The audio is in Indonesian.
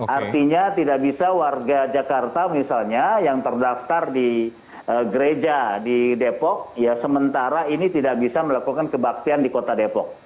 artinya tidak bisa warga jakarta misalnya yang terdaftar di gereja di depok ya sementara ini tidak bisa melakukan kebaktian di kota depok